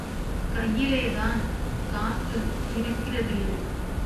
கையிலேதான் காசு இருக்கிறதில்லை.